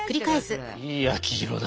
いい焼き色だ。